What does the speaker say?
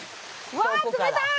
うわ冷たい！